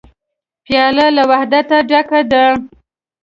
پیاله له وحدته ډکه ده.